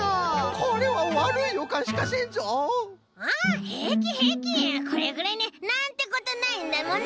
これぐらいねなんてことないんだもんね。